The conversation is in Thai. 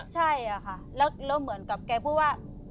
ใช่ค่ะแล้วเหมือนกับแกพูดว่า